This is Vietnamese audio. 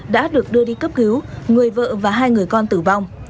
đã được đưa đi cấp cứu người vợ và hai người con tử vong